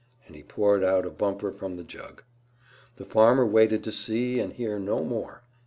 and he poured out a bumper from the jug. The farmer waited to see and hear no more.